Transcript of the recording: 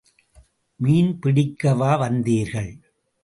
மீன் பிடிக்கவா வந்தீர்கள்?